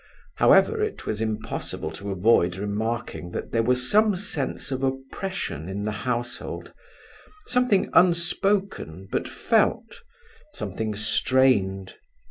However, it was impossible to avoid remarking that there was some sense of oppression in the household—something unspoken, but felt; something strained.